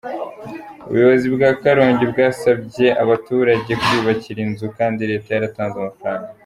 Ubuyobozi bwa Karongi bwasabye abaturage kwiyubakira inzu kandi Leta yaratanze amafaranga